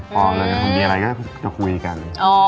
พอเรากันมีอะไรก็จะคุยกัน